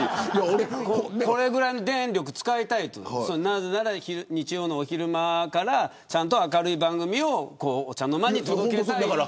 これぐらいの電力使いたいってなぜなら日曜の昼間からちゃんと明るい番組をお茶の間に届けたいから。